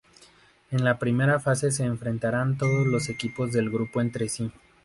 En la primera fase se enfrentarán todos los equipos del grupo entre sí.